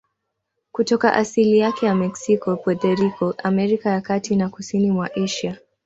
Kutoka asili yake ya Meksiko, Puerto Rico, Amerika ya Kati na kusini mwa Asia.